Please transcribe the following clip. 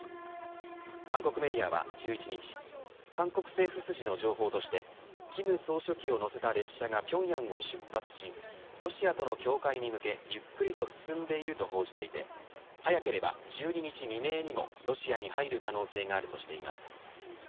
韓国メディアは１１日韓国政府筋の情報として金総書記を乗せた列車が平壌を出発しロシアとの境界に向けゆっくりと進んでいると報じていて早ければ１２日未明にもロシアに入る可能性があるとしています。